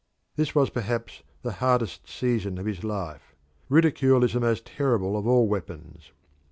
This was perhaps the hardest season of his life ridicule is the most terrible of all weapons.